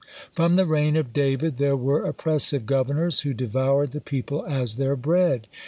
From the reign of David there were oppressive governors, who devoured the people as their bread.